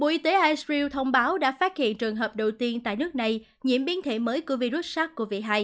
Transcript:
bộ y tế livestreal thông báo đã phát hiện trường hợp đầu tiên tại nước này nhiễm biến thể mới của virus sars cov hai